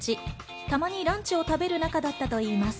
たまにランチを食べる仲だったといいます。